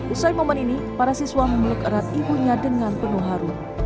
usai momen ini para siswa memeluk erat ibunya dengan penuh haru